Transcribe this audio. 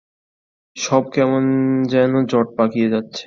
সব কেমন যেন জট পাকিয়ে যাচ্ছে।